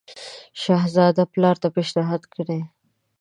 شهزاده پلار ته پېشنهاد کړی.